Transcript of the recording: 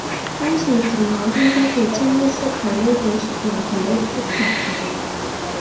當時朋友圈幾乎清一色係呢句說話同一幅插圖